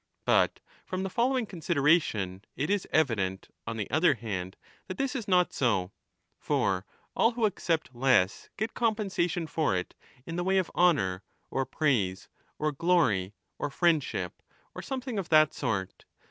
But from the following consideration it is evident, on the other hand, that this is not so. For all who accept less get compensa tion for it in the way of honour, or praise, or glory, or 15 friendship, or something of that sort.